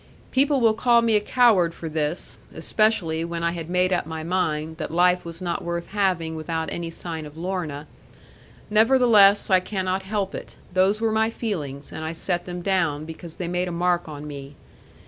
People will call me a coward for this (especially when I had made up my mind, that life was not worth having without any sign of Lorna); nevertheless, I cannot help it: those were my feelings; and I set them down, because they made a mark on me.